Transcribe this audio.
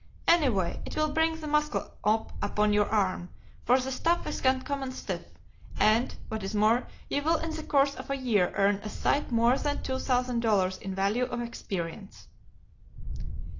Anyway it will bring the muscle up upon your arm, for the stuff is uncommon stiff, and, what is more, you will in the course of a year earn a sight more than two thousand dollars in value of experience.